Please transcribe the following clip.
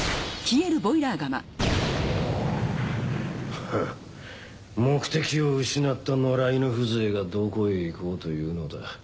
フン目的を失った野良犬風情がどこへ行こうというのだ。